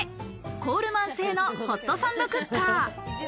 コールマン製のホットサンドクッカー。